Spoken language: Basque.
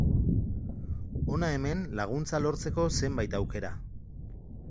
Hona hemen laguntza lortzeko zenbait aukera.